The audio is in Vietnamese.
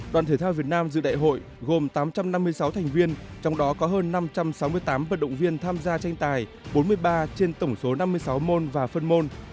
đoàn thể thao việt nam dự đại hội gồm tám trăm năm mươi sáu thành viên trong đó có hơn năm trăm sáu mươi tám vận động viên tham gia tranh tài bốn mươi ba trên tổng số năm mươi sáu môn và phân môn